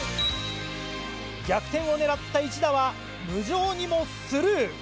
逆転を狙った１打は無情にもスルー。